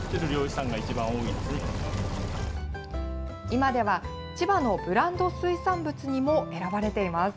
今では、千葉のブランド水産物にも選ばれています。